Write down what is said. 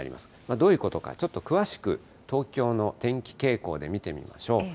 どういうことか、ちょっと詳しく、東京の天気傾向で見てみましょう。